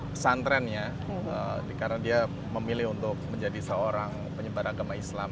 pesantrennya karena dia memilih untuk menjadi seorang penyebar agama islam